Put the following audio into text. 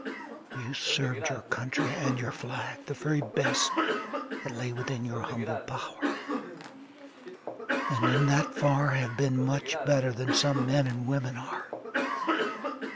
You served your country and your flag The very best That lay within your humble power, And in that far Have been much better than some men And women are.